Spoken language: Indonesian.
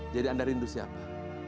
jadi anda rindu siapa